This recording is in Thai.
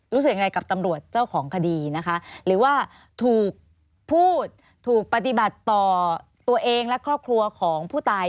รู้สึกอย่างไรกับตำรวจเจ้าของคดีนะคะหรือว่าถูกพูดถูกปฏิบัติต่อตัวเองและครอบครัวของผู้ตาย